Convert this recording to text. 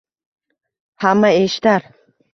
Hamma eshitar